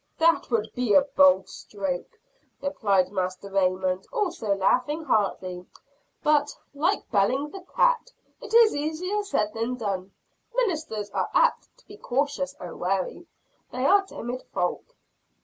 "That would be a bold stroke," replied Master Raymond, also laughing heartily. "But, like belling the cat, it is easier said than done. Ministers are apt to be cautious and wary. They are timid folk."